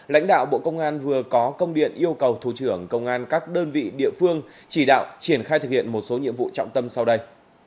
lãnh đạo bộ công an vừa có công điện yêu cầu thủ trưởng công an các đơn vị địa phương chỉ đạo triển khai thực hiện một số nhiệm vụ trọng tâm sau đây